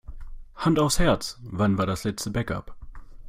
Hand aufs Herz: Wann war das letzte Backup?